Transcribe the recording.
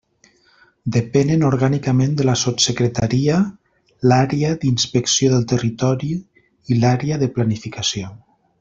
Depenen orgànicament de la Sotssecretaria, l'Àrea d'Inspecció del Territori i l'Àrea de Planificació.